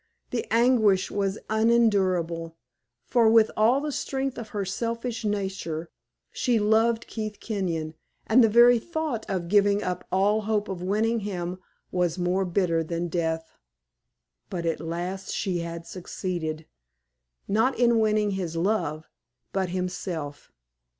The anguish was unendurable; for with all the strength of her selfish nature she loved Keith Kenyon, and the very thought of giving up all hope of winning him was more bitter than death. But at last she had succeeded not in winning his love but himself.